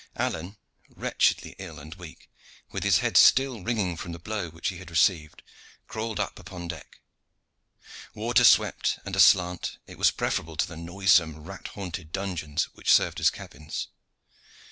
Alleyne, wretchedly ill and weak, with his head still ringing from the blow which he had received, crawled up upon deck. Water swept and aslant, it was preferable to the noisome, rat haunted dungeons which served as cabins.